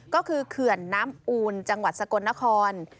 ก็คือเขื่อนน้ำอูนจังหวัดสกลนคร